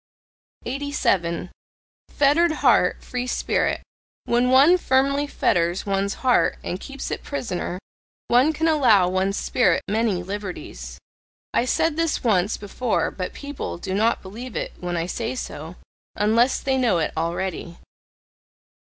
87. FETTERED HEART, FREE SPIRIT When one firmly fetters one's heart and keeps it prisoner, one can allow one's spirit many liberties: I said this once before But people do not believe it when I say so, unless they know it already.